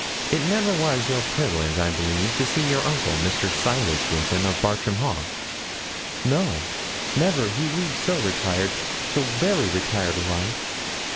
'It never was your privilege, I believe, to see your uncle, Mr. Silas Ruthyn, of Bartram Haugh?' 'No never; he leads so retired so very retired a life.'